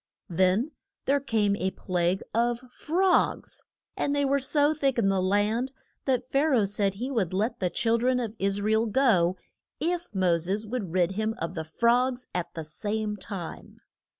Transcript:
Then there came a plague of frogs, and they were so thick in the land that Pha ra oh said he would let the chil dren of Is ra el go if Mo ses would rid him of the frogs at the same time.